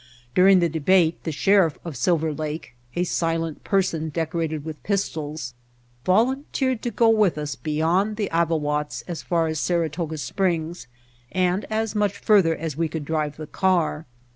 During the debate the sheriff of Silver Lake, a silent person decorated with pistols, volunteered to go with us beyond the Avawatz as far as Saratoga Springs, and as much further as we could drive the car.